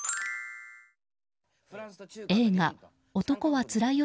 映画「男はつらいよ」